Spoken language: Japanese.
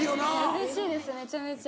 うれしいですめちゃめちゃ。